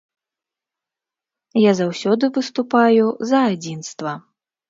Я заўсёды выступаю за адзінства.